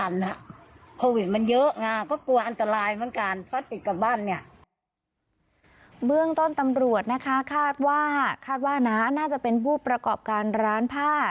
เบื้องต้นตำรวจคาดว่าน่าจะเป็นผู้ประกอบการร้านผ้า